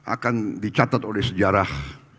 akan dicatat oleh sejarah